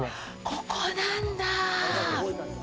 ここなんだあ。